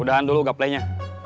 mudahan dulu gak playnya